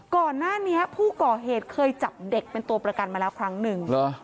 ก่อนหน้านี้ผู้ก่อเหตุเคยจับเด็กเป็นตัวประกันมาแล้วครั้งหนึ่ง